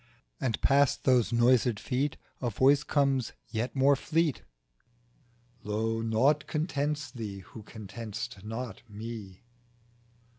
nd past those noised Feet A voice comes yet more fleet M Lo I naught contents thee, who content'st not Me."